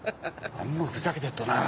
あんまふざけてっとなぁ。